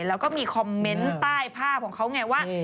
แล้วก็มีคอมเมนต์ใต้ภาพของเขาไงว่า